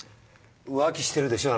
浮気してるでしょ？